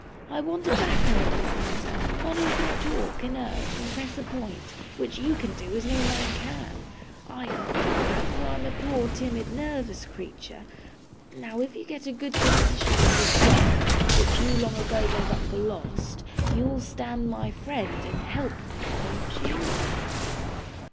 'I want a backer in this matter; one who can talk, and urge, and press a point, which you can do as no man can. I can't do that, for I am a poor, timid, nervous creature. Now, if you get a good composition for this debt, which you long ago gave up for lost, you'll stand my friend, and help me. Won't you?